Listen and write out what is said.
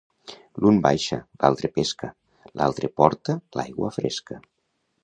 L'un baixa, l'altre pesca, l'altre porta l'aigua fresca.